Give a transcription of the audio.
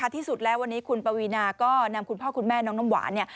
ที่สุดแล้ววันนี้คุณปวีนาก็นำคุณพ่อคุณแม่น้องน้ำหวานเนี่ย